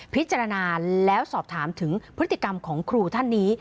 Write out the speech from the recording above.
พิจารณาแล้วสอบถามถึงพฤติกรรมของครูท่านนี้